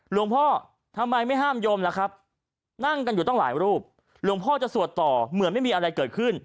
หลวงพ่อทำไมไม่ห้ามโยมล่ะครับนั่งกันอยู่ตั้งหลายรูปหลวงพ่อจะสวดต่อเหมือนไม่มีอะไรเกิดขึ้น